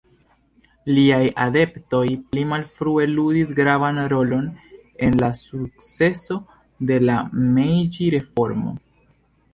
Liaj adeptoj pli malfrue ludis gravan rolon en la sukceso de la Mejĝi-reformo.